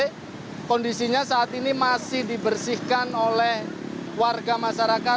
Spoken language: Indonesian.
jadi kondisinya saat ini masih dibersihkan oleh warga masyarakat